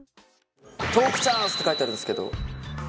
「トークチャンス！」って書いてあるんですけど。